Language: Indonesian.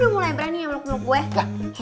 lu udah mulai berani ya meluk meluk gue